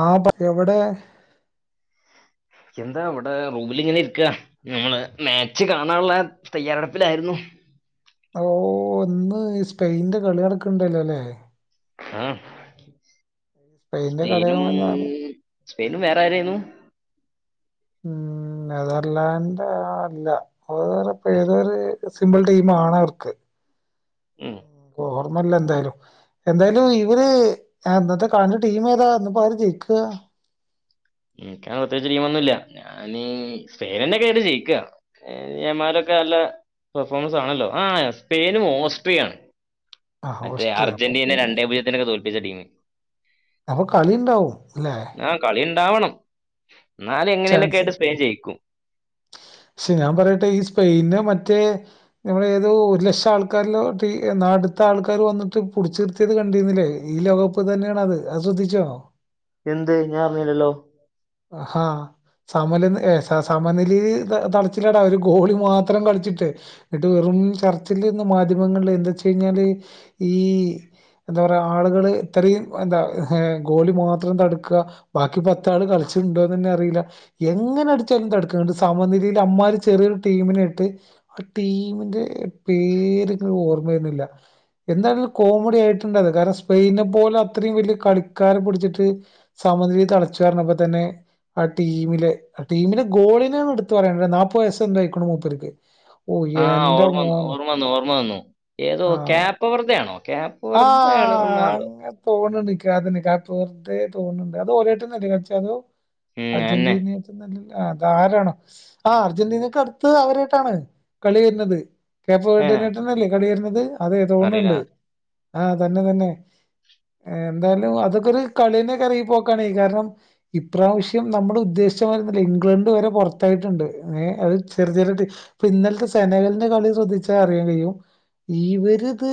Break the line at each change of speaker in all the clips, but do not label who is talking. ആ പറയു ഇവിടെ
എന്താ ഇവിടെ, റൂമിലിങ്ങനെ ഇരിക്ക. ഞങ്ങള് മാച്ച് കാണാൻള്ള തയ്യാറെടുപ്പിലായിരുന്നു.
ഓ ഇന്ന് ഈ സ്പെയിനിന്റെ കളി നടക്കണ്ടല്ലോല്ലേ
ആ
സ്പെയിന്റെ
സ്പെയിനും
കളിയാകുമെന്നാണ്
സ്പെയിനും വേറെ ആരായിരുന്നു
ഉം നെതർലാൻഡ് അല്ല അതിപ്പ ഏതൊരു സിമ്പിൾ ടീം ആണ് അവർക്ക്
ഉം
ഓർമ്മല്ല എന്തായാലും എന്തായാലും ഇവര് ഇന്നത്തെ കളിന്റെ ടീം ഏതാ ഇന്നിപ്പോ ആര് ജയിക്ക
എനിക്കങ്ങനെ പ്രത്യേയ്ച്ച് ടീമൊന്നുല്ല ഞാനീ സ്പെയിനന്നേകാ അയിൽ ജയിക്ക യമാലൊക്കെ നല്ല പെർഫോമൻസ് ആണല്ലോ ആ സ്പെയിനും ഓസ്ട്രിയ ആണ്
ആ
മറ്റേ
ഹോസ്റ്റ് അപ്പൊ
അർജന്റീന
പിന്നെ
രണ്ടേ പൂജ്യത്തിനൊക്കെ തോല്പ്പിച്ച ടീം
അപ്പൊ കളിണ്ടാവും ലെ
ആഹ്, കളിയ്ണ്ടാവണം. ന്നാല് എങ്ങനെലൊക്കെ
ചാൻസ്
ആയിട്ട് സ്പെൻ ജെയിക്കും.
ശെ ഞാൻ പറേട്ടെ ഈ സ്പെയിന് മറ്റേ നമ്മൾ ഏതോ ഒരു ലക്ഷം ആൾക്കാരിലോ നാട്ടിത്തെ ആൾക്കാർ വന്നിട്ട് പുടിച്ചി ത് കണ്ടിന്നില്ലേ ഈ ലോകകപ്പ് തന്നെണത് അത് ശ്രദ്ധിചോ
എന്ത് ഞാൻ അറിഞ്ഞിലല്ലോ
ഹാ സമലന് ഏഹ് സ സ സമനിലി തളച്ചിലടാവര് ഒരു ഗോളി മാത്രം കളിച്ചിട്ട് ന്നട്ട് വെറും ചർച്ചല്ലേന്ന് മാധ്യമങ്ങള്ല് എന്താച്ച് കഴിഞ്ഞാല് ഈ എന്താ പറയ ആൾകള് ഇത്രീം എന്താ ഗോളി മാത്രം തട്ക്ക ബാക്കി പത്താള് കളിച്ചിട്ടുണ്ടോന്നന്നെ അറീല എങ്ങനെ അടിച്ചാലും തട്ക്ക്ണ്ട് സമനിലീൽ അമ്മാരി ചെറ്യേരു ടീമിനേട്ട് ടീമിന്റെ പേര് ങ്ങ് ഓർമ്മ വരണില്ല എന്താണെലും കോമഡി ആയിട്ട്ണ്ടത് കാരണം സ്പെയിനെ പോലെ അത്രീം വെല്യേ കളിക്കാരെ പുടിച്ചിട്ട് സമനിലിതളച്ചു പറഞ്ഞപ്പതന്നെ ടീമിലെ ടീമിലെ ഗോളിനേണ് ട്ത്ത് പറേണ്ട് നാപ്പ ത് വ യസ്സെന്തോ ആയിക്കണ് മൂപ്പർക്ക് ഓ
ആഹ്
എന്റെ
ഓർമ്മ വന്നു
മോനെ
ഓർമ്മ വന്നു ഓർമ്മ വന്നു ഏതോ ക്യാപ്പവെർതെ ആണോ ക്യാപ്പ്
ആഹ് അങ്ങൻ തോന്ന്ണ്ടിനിക് അതന്നെ തോണുന്നു കാപോ വെർതെ തോണ്ട് അതോരേട്ടഞല്ലേ കളിച്ചേ അതോ
ഉം അയെന്നെ.
അർജന്റീനെ ആരാണ് ആ അർജന്റീനക്ക് അട്ത്തെ അവരേട്ടാണ് കളി വര്ന്നത് കേപോ
ഏഹ്
വെർദെനേട്ടഞ്ഞല്ലേ കളി വര്ണത് അതെ
അറിയില്ല.
തോണ്ണ്ട് ആഹ് തന്നെ തന്നെ എന്തായാലും അതൊക്കെ ഒരു കള്യഞ്ഞെക്കാരം ഈ പോക്കാണെങ്കി കാരണം ഇപ്രാവശ്യം നമ്മൾ ഉദ്ദേശിച്ച മാര്യോന്നല്ല ഇംഗ്ലണ്ട് വരെ പുറത്തായിട്ട്ണ്ട് അത് ചെറി ചെറ്യേ പ്പ ഇന്നൽത്തെ സെനഗളിന്റെ കളി ശ്രദ്ധിച്ച അറിയാൻ കയും ഇവരിത്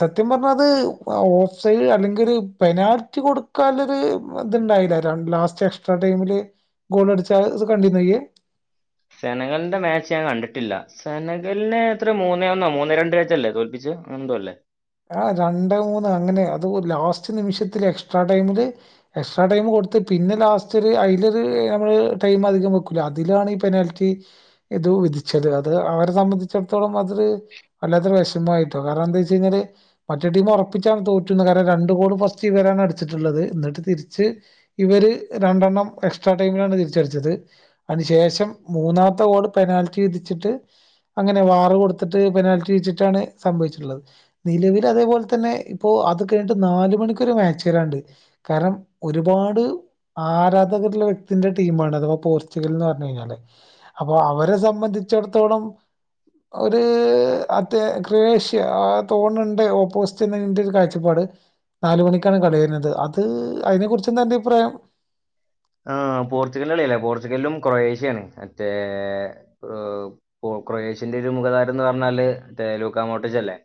സത്യം പറഞ്ഞാ അത് ഓഫ്സൈഡ് അല്ലെങ്കില് പെനാൽറ്റി കൊടു കാല്ലത് ത്ണ്ടായില്ല ലാസ്റ്റ് എക്സ്ട്രാ ടൈമില് ഗോൾ അടിച്ചാൽ ഇത് കണ്ടീന്നൊയ്യ്
സെനഗൾന്റെ മാച്ച് ഞാൻ കണ്ടിട്ടില്ല സെനഗലിനെ എത്രെ മൂന്നേ ഒന്നോ മൂന്നേ രണ്ടിനേറ്റല്ലേ തോൽപ്പിച്ച് എന്തോ അല്ലേ
ആ രണ്ടെ മൂന്ന് അങ്ങനെ അത് ലാസ്റ്റ് നിമിഷത്തില് എക്സ്ട്രാ ടൈമില് എക്സ്ട്രാ ടൈം കൊടുത്ത് പിന്നെ ലാസ്റ്റൊരു അയ്ലൊരു നമ്മൾ ടൈം അധികം വെക്കൂലേ അയ്ലാണ് ഈ പെനാൽറ്റി ഇത് വിധിച്ചത് അത് അവരെ സംബന്ധിച്ചിടത്തോളം അതൊരു വല്ലാത്തൊരു വിഷമായിട്ടോ കാരണന്താവെച്ച് കയ്ഞ്ഞാല് മറ്റേ ടീം ഉറപ്പിച്ചാണ് തോററ്റൂന്ന് കാരണം രണ്ടു ഗോള് ഫസ്റ്റ് ഇവരാണ് അടിച്ചിട്ട്ള്ളത് ന്നിട്ട് തിരിച്ച് ഇവര് രണ്ടെണ്ണം എക്സ്ട്രാ ടൈമിലാണ് തിരിച്ചടിച്ചത് അയ്ന് ശേഷം മൂന്നാത്തെ ഗോൾ പെനാൽറ്റി വിതിച്ചിട്ട് അങ്ങനെ വാറ് കൊടുത്തിട്ട് പെനാൽറ്റി ഇഴിച്ചിട്ടാണ് സംഭവിച്ചിട്ട്ള്ളത് നിലവിൽ അതേപോല്തന്നെ ഇപ്പൊ അത് കഴിഞ്ഞിട്ട് നാല് മണിക്കൊര് മാച്ച് വരാനുണ്ട് കാരണം ഒരുപാട് ആരാധകര്ള്ള വ്യക്തിന്റെ ടീമാണ് അഥവാ പോർച്ചുഗൽന്ന് പറഞ്ഞാല് അപ്പൊ അവരെ സംബന്ധിച്ചിടത്തോളം ഒരു അതെ ക്രൊയേഷ്യ ആഹ് തോണണ്ട് ഓപ്പോസിറ്റ്തിന്റെ ഒരു കാഴ്ചപ്പാട് നാല് മണിക്കാണ് കടയിൽ വരുന്നത് അത് അതിനെ കുറച്ച് എന്താ അന്റെ അഭി പ്രായം
ആഹ് പോർച്ചുഗല് കളി അല്ലേ പോർച്ചുഗലിലും കൊറേഷ്യയാണ് മറ്റേ ക്രൊയേഷ്യന്റെ ഒരു മുഖതാരം എന്ന് പറഞ്ഞാല് തേലൂക്കാ മോട്ടിച്ചല്ലേ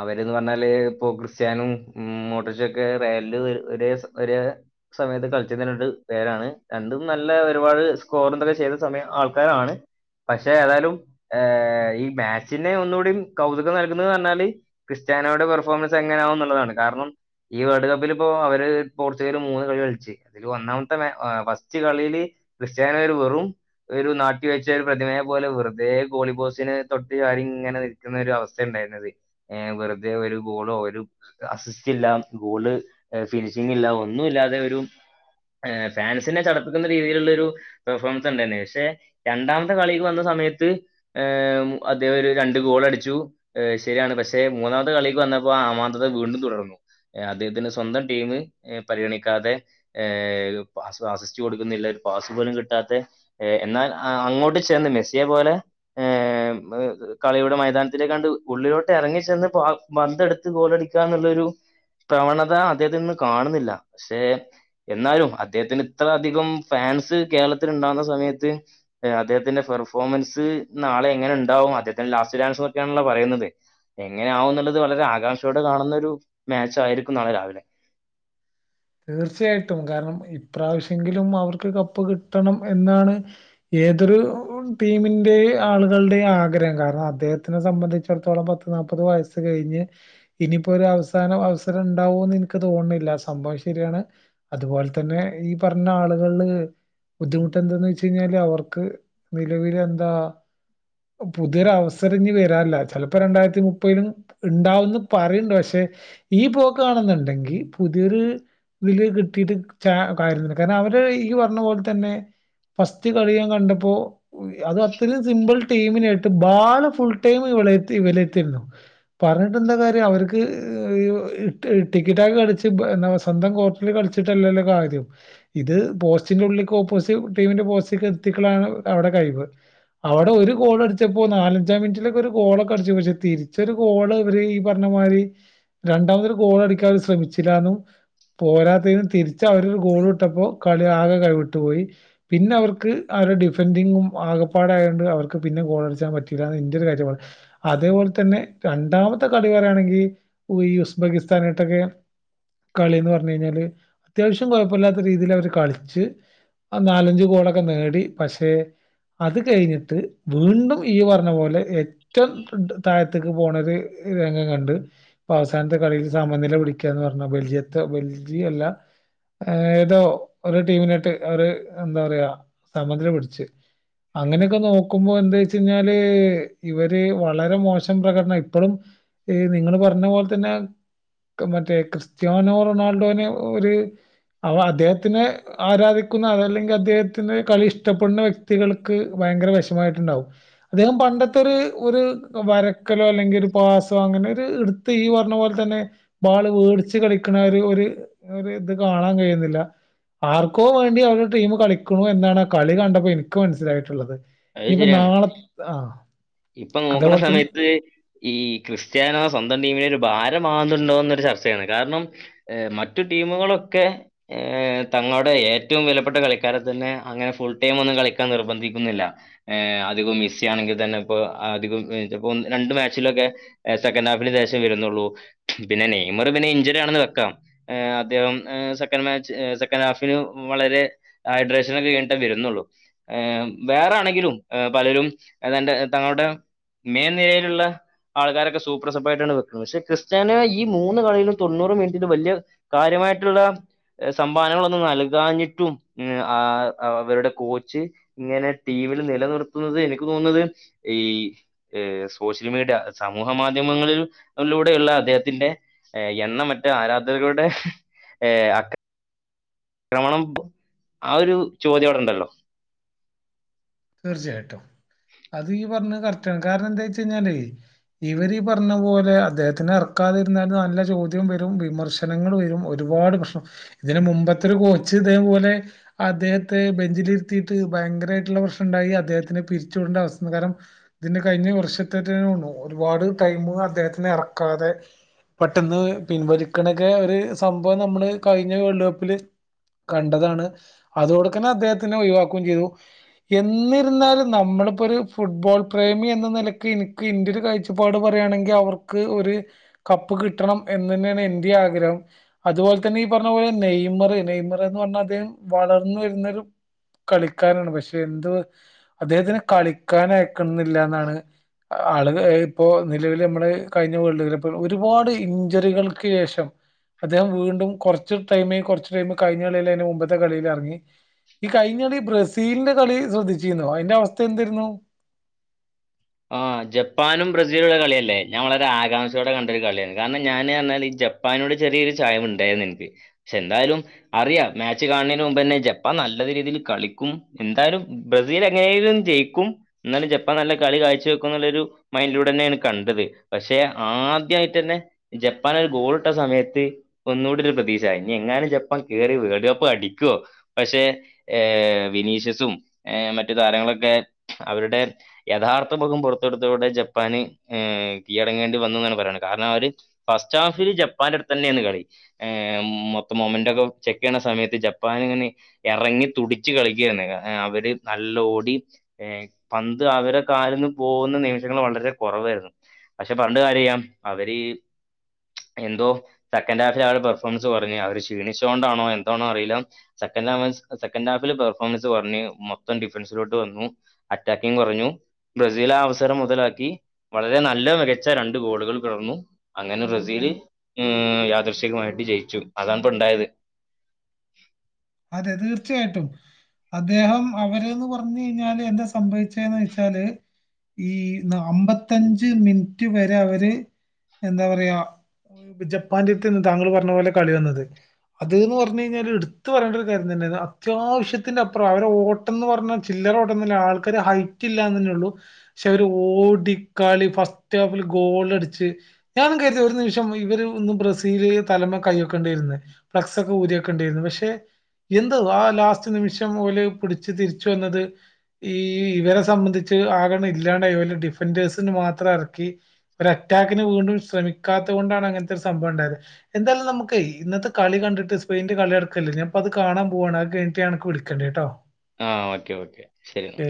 അവരന്ന് പറഞ്ഞാല് ഇപ്പൊ ക്രിസ്ത്യാനും ഉമ് മോട്ടർച്ചൊക്കെ റയലില് ഒരേ ഒരേ സമയത്ത് കളിച്ചു ന്നിട്ട് പേരാണ് രണ്ടും നല്ല ഒരുപാട് സ്കോർ എന്തൊക്കെ ചെയ്ത സമയം ആൾക്കാരാണ് പക്ഷെ ഏതായാലും ഏഹ് ഈ മാച്ചിനെ ഒന്നുകൂടി കൗതുകം നൽകുന്നത് പറഞ്ഞാല് ക്രിസ്ത്യാനോയുടെ പെർഫോമൻസ് എങ്ങനെയാവുള്ളതാണ് കാരണം ഈ വേൾഡ് കപ്പിലിപ്പോ അവര് പോർച്ചുഗൽ മൂന്ന് കളി കളിച്ച് അതില് ഒന്നാമ ഫസ്റ്റ് കളിയില് ക്രിസ്ത്യാനര് വെറും ഒരു നാട്ടി വെച്ച ഒരു പ്രതിമയെ പോലെ വെറുതെ ഗോളിബോസിന് തൊട്ട് കാര്യ ഇങ്ങനെ [unintelligible] ഒരു അവസ്ഥ ഉണ്ടായിരുന്നത് ഏഹ് വെറുതെ ഒരു ഗോളോ ഒരു അസിസ്റ്റ് ഇല്ല ഗോള് ഫിനിഷിംങ്‌ ഇല്ല ഒന്നും ഇല്ലാതെ ഒരു ഫാൻസിനെ ചടപ്പിക്കുന്ന രീതിയിലുള്ളരു പെർഫോമൻസ് ഉണ്ടായിരുന്നു പക്ഷെ രണ്ടാമത്തെ കളിക്ക് വന്ന സമയത്ത് ഏഹ് അദ്ദേഹം ഒരു രണ്ട് ഗോൾ അടിച്ചു ശരിയാണ് പക്ഷെ മൂന്നാമത്തെ കളിക്ക് വന്നപ്പോ ആമാന്തത വീണ്ടും തുടർന്നു അദ്ദേഹത്തിന് സ്വന്തം ടീം പരിഗണിക്കാതെ ഏഹ് [unintelligible] കൊടുക്കുന്നില്ല ഒരു പാസ് പോലും കിട്ടാത്ത ഏഹ് എന്നാൽ അങ്ങോട്ട് ചേർന്ന് മെസ്സിയെ പോലെ ഏഹ് കളിയുടെ മൈതാനത്തിലേ കാണ്ട് ഉള്ളിലോട്ട് ഇറങ്ങിച്ചെന്ന് പ്പോ പന്തെട്ത്ത് ഗോളടിക്കാ ന്നുള്ളൊരു പ്രവണത അദ്ദേഹത്തി നിന്ന് കാണുന്നില്ല പക്ഷെ എന്നാലും അദ്ദേഹത്തിന് ഇത്ര അധികം ഫാൻസ് കേരളത്തി ഉണ്ടകുന്ന സമയത്ത് അദ്ദേഹത്തിന്റെ പെർഫോമൻസ് നാളെ എങ്ങനെണ്ടാവും അദ്ദേഹത്തിന്റെ ലാസ്റ്റ് ചാൻസ് നോക്കിയാണല്ലോ പറയുന്നത് എങ്ങനെ ആകും എന്നുള്ളത് വളരെ ആകാംഷയോടെ കാണുന്ന ഒരു മാച്ചായിരിക്കും നാളെ രാവിലെ
തീർച്ചയായിട്ടും കാരണം ഇപ്രാവശ്യെങ്കിലും അവർക്ക് കപ്പ് കിട്ടണം എന്നാണ് ഏതൊരു ടീമിന്റെ ആളുകളുടെയും ആഗ്രഹം കാരണം അദ്ദേഹത്തിനെ സംബന്ധിച്ചിട്ത്തോളം പത്തു നാല്പ്പത് വയസ്സ് കഴിഞ്ഞ് ഇനിയിപ്പോ ഒരു അവസാന അവസരം ഇണ്ടാവോന്ന് എനിക്ക് തോന്നുന്നില്ല സംഭവഷ ശരിയാണ് അതുപോലെ തന്നെ ഈ പറഞ്ഞ ആളുകൾ ബുദ്ധിമുട്ട് എന്താെന്ന് വെച്ച് കഴിഞ്ഞാല് അവർക്ക് നിലവില എന്താ പുതിയൊരു അവസര ഇഞ്ഞ് വരില്ല ചിലപ്പോ രണ്ടായിരത്തി മുപ്പതിലും ഇണ്ടാവും പറയ ണ്ട് പക്ഷെ ഈ പോക്കാണെന്നുണ്ടെങ്കിൽ പുതിയൊരു ഇതില് കിട്ടിട്ട് [unintelligible] അവര് ഈ പറഞ്ഞ പോലെ തന്നെ ഫസ്റ്റ് കളി ഞാൻ കണ്ടപ്പോ അത് അത്രയും സിമ്പിൾ ടീമി നായിട്ട് ബാൾ ഫുൾ ടൈം ഇവരുടെ അടുത്തായിരുന്നു പറഞ്ഞിട്ട് എന്താ കാര്യം അവർക്ക് ടിക്കറ്റക്കി അടിച്ച് എന്താ സ്വന്തം കോർട്ടിൽ കളിച്ചിട്ടല്ലല്ലോ കാര്യം ഇത് പോസ്റ്റിന്റെ ഉള്ളിലേക്ക് ഓപ്പോസിറ്റ് ടീമിന്റെ പോസ്റ്റേക്ക് എത്തിക്കലാണ് അവിടെ കഴിവ് അവിടെ ഒരു ഗോൾ അടിച്ചപ്പോ നാലഞ്ചാം മിനിറ്റിലൊക്കെ ഒരു ഗോളൊക്കെ അടിച്ചു പക്ഷെ തിരിച്ചൊരു ഗോള് ഇവര് ഈ പറഞ്ഞ മാതിരി രണ്ടാമതൊരു ഗോൾ അടിക്കാൻ അവര് ശ്രമിച്ചിലാന്നും പോരാത്തതിനും തിരിച്ച് അവര് ഒരു ഗോൾ വിട്ടപ്പോ കളി ആകെ കൈവിട്ടു പോയി പിന്നെ അവർക്ക് അവരുടെ ഡിഫൻഡിങ്ങും ആകപ്പാട ആയതോണ്ട് അവർക്ക് പിന്നെ ഗോളടിച്ചാ പറ്റയില്ലന്ന് ഇന്റെ ഒരു കാര്യമാണ് അതേ പോലെ തന്നെ രണ്ടാമത്തെ കളികാരണെങ്കിൽ ഈ ഉസ്ബെക്കി സ്ഥാനായിട്ടൊക്കെ കളിന്ന് പറഞ്ഞു കഴിഞ്ഞാല് അത്യാവശ്യം കുഴപ്പല്ലാത്ത രീതിയിൽ അവര് കളിച്ച് നാലഞ്ചു കോളൊക്കെ നേടി പക്ഷെ അത് കഴിഞ്ഞിട്ട് വീണ്ടും ഈ പറഞ്ഞ പോലെ എ ഏറ്റവും താഴത്തേക്ക് പോണ ഒരു രംഗം കണ്ട് ഇപ്പൊ അവസാനത്തെ കളിയിൽ സമനില പിടിക്ക എന്ന് പറഞ്ഞ ബെൽജിയത്ത് ബെൽജിയം എല്ല ഏതോ ഒരു ടീമിനയിട്ട് അവര് എന്താറയാ സമ നില പിടിച്ചെ അങ്ങനൊക്കെ നോക്കുമ്പം എന്താ വെച്ചു കഴിഞ്ഞാല് ഇവര് വളരെ മോശം പ്രകടനം ഇപ്പഴും ഈഹ് നിങ്ങളു പറഞ്ഞ പോൽ തന്നെ മറ്റേ ക്രിസ്ത്യാനോ റൊണാൾഡോനെ ഒരു അവ അദ്ദേഹത്തിന് ആരാധിക്കുന്ന അതല്ലെങ്കി അദ്ദേഹത്തിന്റെ കളി ഇഷ്ട്ടപ്പെടുന്ന വ്യക്തികൾക്ക് ഭയങ്കര വേഷമായിട്ടുണ്ടാവും. അദ്ദേഹം പണ്ടത്തൊരു ഒരു വരക്കലോ അല്ലെങ്കിൽ ഒരു പാസോ അങ്ങനൊരു നീ പറഞ്ഞ പോല തന്നെ ബാള് വേട്ച്ച് കളിക്ക ക്കണൊരു ഒരു ഒരു ഇത് കാണാൻ കഴിയുന്നില്ല. ആർക്കോ വേണ്ടി അവരുടെ ടീംമ് കളിക്കുണു എന്നാണ് ആ കളി കണ്ടപ്പം എനിക്ക് മനസ്സിലായിട്ടുള്ളത്. ഇനിപ്പം നാളത് ആഹ്
ഇപ്പം നോക്ക്‌ണ സമയത്ത് ഈ ക്രിസ്ത്യാനോ സ്വന്തം ടീമിനൊരു ഭാരമാവുന്നുണ്ടോന്നൊരു ചർച്ചയാണ് കാരണം ഏഹ് മറ്റു ടീമുകളൊക്കെ ഏഹ് തങ്ങളുടെ ഏറ്റവും വിലപ്പെട്ട കളിക്കാരെ തന്നെ അങ്ങനെ ഫുൾ ടൈം ഒന്നും കളിക്കാൻ നിർബന്ധിക്കുന്നില്ല. ഏഹ് അതിപ്പം മിസ്സി ആണെങ്കി തന്നെ പ്പം അതിപ്പം അധികം രണ്ട് മാച്ചിലൊക്കെ സെക്കൻഡ് ഹാഫിന് ഷേഷേ വരുന്നുള്ളൂ. ഇതിനെ നെയ്മറു പിന്നെ ഇഞ്ചനാ ണെന്ന് വെക്കാം. ഏഹ് അദ്ദേഹം ഏഹ് സെക്കൻഡ് മാച്ച് സെക്കൻഡ് ഹാഫിനെ വളരെ ഹൈഡ്രേഷനെ വീണ്ടും വരുന്നുള്ളൂ, ഏഹ് വേറാണെങ്കിലും ഏഹ് പലരും എനന്തെ തങ്ങടെ മേ നിരയിലുള്ള ആൾക്കാരൊക്കെ സൂപ്രസഭായിട്ടാണ് വെക്കുന്നത്, പക്ഷ ക്രിസ്ത്യാനോ ഈ മൂന്ന് കളീലും തൊണ്ണൂറ് മിനിറ്റിലും വല്ലിയേ കാര്യമായിട്ടുള്ള ഏഹ് സംഭവനകളൊന്നും നൽകാഞ്ഞിട്ടും, മ്മ് ആഹ് അവരുടെ കോച്ച് ഇങ്ങനെ ടീമില് നിലനിർത്തുന്നത് എനിക്ക് തോന്നുന്നത് ഈഹ് ഏഹ് സോഷ്യൽ മീഡിയ സമൂഹ മാധ്യമങ്ങളിൽ ലൂടെയുള്ള അദ്ദേഹത്തിന്റെ ഏഹ് എണ്ണമറ്റ ആരാധകരുടെ ഏഹ് മണം ആ ഒരു ചോദ്യം അവടെ ഉണ്ടല്ലോ.
തീർച്ചയായിട്ടും, അതീ ഇയ് പറഞ്ഞത് കറക്റ്റാണ് കാരണം എന്തോയ്ച്ചയ് ഞ്ഞാലേയ് ഇവരീ പറഞ്ഞ പോലെ അദ്ദേഹത്തിന് ഇറക്കാതിരുന്നാല് നല്ല ചോദ്യോം വരും വിമർശ് ജനങ്ങളു വരും ഒരുപാട് പ്രശ്നം ഇതിനു മുമ്പത്തെ ഒരു കോച്ച് ഇതേപോലെ അദ്ദേഹത്തെ ബെഞ്ചിലിരുത്തിയിട്ട് ഭയങ്കരായിട്ടുള്ള പ്രശ് ണ്ടായി അദ്ദേഹത്തിനെ പിരിച്ചു വിടണ്ട അവസ്കാരം ഇതിന് കഴിഞ്ഞ വർഷത്തേറ്റരു ഒരുപാട് ടൈമു അദ്ദേഹത്തിനെ എറക്കാതെ പെട്ടെന്ന് പിൻവലിക്കണൊക്കെ ഒരു സംഭവം നമ്മളെ കഴിഞ്ഞ വേൾഡ് കപ്പില് കണ്ടതാണ് അതോടക്കന്നെ അദ്ദേഹത്തിനെ ഒഴിവാക്കും ചെയ്തു. എന്നിരുന്നാലും നമ്മളിപ്പൊരു ഫുട്ബോൾ പ്രേമി എന്ന നിലക്ക് എനിക്ക് ഇന്റൊരു കാഴ്ച പ്പാട് പറയാണെങ്കി അവർക്ക് ഒരു കപ്പ് കിട്ടണം എന്ന്നെയാണ് എന്റിം ആഗ്രഹം. അതുപോലതന്നെ ഈ പറഞ്ഞ പോലെ നെയ്മറെ നെയ്മറെന്നു പറഞ്ഞാൽ അദ്ദേഹം വളർന്നു വരുന്നൊരു കളിക്കാരാണ് പഷേ പ്പെന്തുവാ അദ്ദേഹത്തിന് കളിക്കാന യക്കുന്നില്ല എന്നാണ് ആളുകളെ ഇപ്പോൾ നിലവിലെ നമ്മളെ കഴിഞ്ഞ വേൾഡുകപ്പോ ഒരുപാട് ഇഞ്ചുറികൾക്കു ശേഷം അദ്ദേഹം വീണ്ടും കൊറച്ചു ടൈമെ കൊറച്ചു ടൈം കഴിഞ്ഞ കളിയിൽ അയിന്റെ മുമ്പത്തെ കളിയിലിറങ്ങി. ഈ കഴിഞ്ഞിടെ ബ്രസീലിന്റെ കളി ശ്രദ്ധിച്ചീന്നോ അതിന്റെ അവസ്ഥ എന്തരുന്നു?
ആഹ് ജപ്പാനും ബ്രസീലുള്ള കളിയല്ലേ ഞാൻ വളരെ ആകാംക്ഷയോടെ കണ്ടൊരു കളിയാണ് കാരണം ഞാൻ എന്നാലേ ഈഹ് ജപ് ജപ്പാനോട് ചെറിയൊരു ചായം ഉണ്ടായിരുന്നു എനിക്ക് പക്ഷെ എന്തായാലും അറിയാം മാച്ച് കാണുന്നെന് മുമ്പ് തന്നെ ജപ്പാൻ നല്ല രീതിയിലു കളിക്കും എന്തായാലും ബ്രസീൽ എങ്ങനേലും ജയിക്കും എന്നാലും ജപ്പാൻ നല്ല കളി കാഴ്ച ച്ചു വെക്കുന്നുള്ളൊരു മൈൻഡിലൂടന്നെയാണ് കണ്ടത് പക്ഷേ ആദ്യായിട്ടന്നെ ജപ്പാനൊരു ഗോള്ട്ട സമയത്ത് ഒന്നൂടൊരു പ്രതീക്ഷ ഇനി എങ്ങാനും ജപ്പാൻ കേറി വേൾഡ് കപ്പ് അടിക്കുവോ പക്ഷേ ഏഹ്, വിനീഷ്യസും ഏഹ് മറ്റു താരങ്ങളൊക്കെ അവരുടെ യഥാർ [unintelligible] പൊറത്തെടുത്തതോടെ ജപ്പാന് ഏഹ് കീഴടങ്ങേണ്ടി വന്നൂന്നാണ് പറയണേ കാരണം അവര് ഫസ്റ്റ് ഹാഫില് ജപ്പാന്റടുത്തന്നെയാണ് കളി ഏഹ് മൊത്തം മൊമന്റോക്കെ ചെക്ക് ചെയ്യണ സമയത്ത് ജപ്പാനെ ഇങ്ങനെ എറങ്ങി തുടിച്ച് കളിക്കേണ് അവര് നല്ലോടി പന്ത് അവര കാലിന്ന് പോകുന്ന നിമിഷങ്ങള് വളരെ കൊറവായിരുന്നു പക്ഷെ പറഞ്ഞിട്ട് കാര്യല്ലാ അവര് എന്തോ സെക്കൻഡ് ഹാഫില് അവര പെർഫോമൻസ് കൊറഞ്ഞു അവര് ക്ഷീണിച്ചോണ്ടാണോ എന്തൊണോ അറിയില്ല സെക്കൻഡ് അവൻസ് സെക്കൻഡ് ഹാഫില് പെർഫോമൻസ് കൊറഞ്ഞ് മൊത്തം ഡിഫൻസിലോട്ട് വന്നു അറ്റാക്കിങ്ങ് കൊറഞ്ഞു ബ്രസീല് ആ അവസരം മുതലാക്കി വളരെ നല്ല മികച്ച രണ്ട് ഗോളുകൾ തുടർന്നു അങ്ങനെ ബ്രസീല് മ്ഹ് യാദൃച്ചികമായിട്ട് ജയിച്ചു അതാണിപ്പോ ഉണ്ടായത്
അതെ തീർച്ചയായിട്ടും അദ്ദേഹം അവര്ന്ന് പറഞ്ഞ് കഴിഞ്ഞാല് എന്താ സംഭവിച്ചേന്ന് വെച്ചാല് ഈ ന അമ്പത്തഞ്ച് മിനിറ്റ് വരെ അവര് എന്താ പറയാ ജപ്പാന്റെത്ത്ന്ന് താങ്കൾ പറഞ്ഞ പോലെ കളി വന്നത് അത് ന്ന് പറഞ്ഞു കഴിഞ്ഞാല് എടു ത്ത് പറയേണ്ട ഒരു കാര്യം തന്നേണ് അത്യാവിശ്യത്തിന്റെ അപ്പുറം അവര് ഓട്ടന്ന് പറഞ്ഞാൽ ചില്ലറ ഓട്ടൊന്നും അല്ല ആൾക്കാര് ഹൈ [unintelligible] എന്നന്നെ ഉള്ളൂ പക്ഷെ അവര് ഓടിക്കളി ഫസ്റ്റ് ഹാഫില് ഗോളടിച്ച് ഞാനും കരുതി ഒരു നിമിഷം ഇവര് ബ്രസീല് തലമ്മേ കൈ വെക്കേണ്ടി വരുന്ന് ഫ്ളാക്സൊക്കെ ഊരി വെക്കേണ്ടി വന്നൂ പക്ഷെ എന്തോ ആ ലാസ്റ്റ് നിമിഷം ഓല് പിടിച്ച് തിരിച്ചു വന്നത് ഈ ഇവരെ സംബന്ധിച്ച് ആകെ അങ്ങട് ഇല്ലാണ്ട് പോല ഡിഫൻഡേഴ്സിന് മാത്രം എറക്കി ഒരു അറ്റാക്കിന് വീണ്ടും ശ്രമിക്കാത്തോണ്ടാണ് അങ്ങനത്തൊരു സംഭവൊണ്ടായത് എന്താലും നമുക്കേ ഇന്നത്തെ കളി കണ്ടിട്ട് സ്പെയിന്റെ കളി നടക്കല്ലേ ഞാൻ അപ്പൊ അത് കാണാൻ പോവാണ് അത് കഴിഞ്ഞട്ട് ഞാൻ നിനക്ക് വിളിക്കണ്ട് കേട്ടോ
ആഹ് ഓക്കെ ഓക്കെ ശരി എന്നാ